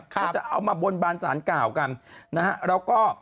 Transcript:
ครับเขาจะเอามาบนบานศาลเก่ากันนะฮะแล้วก็